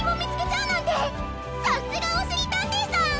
さすがおしりたんていさん！